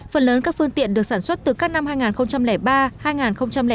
phần lớn các phương tiện được sản xuất từ các năm hai nghìn ba hai nghìn bốn